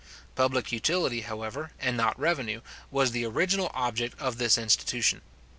Public utility, however, and not revenue, was the original object of this institution.